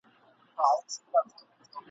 د جاهل ژبه به ولي لکه توره چلېدلای ..